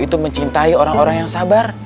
itu mencintai orang orang yang sabar